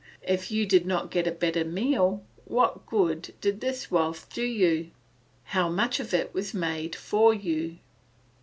If you did not get a better meal, what good did this wealth do you? how much of it was made for you?